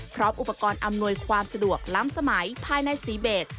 พร้อมอุปกรณ์อำนวยความสะดวกล้ำสมัยภายในสีเบส